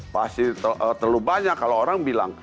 pasti terlalu banyak kalau orang bilang